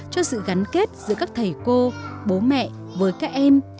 cho sự gắn kết giữa các thầy cô bố mẹ với các em